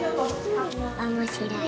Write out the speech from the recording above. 面白い。